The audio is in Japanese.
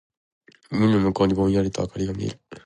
海の向こうにぼんやりと灯りが見える。